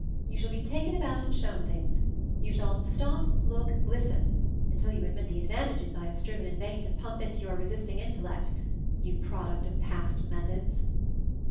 "You shall be taken about and shown things; you shall 'Stop! Look! Listen!' until you admit the advan tages I have striven in vain to pump into your resisting intellect— you Product of Past Methods!"